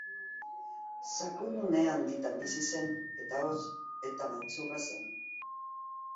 Sakonune handitan bizi zen eta hotz eta maltzurra zen.